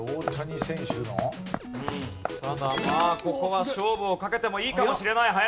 ここは勝負をかけてもいいかもしれない。